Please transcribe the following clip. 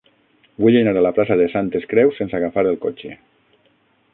Vull anar a la plaça de Santes Creus sense agafar el cotxe.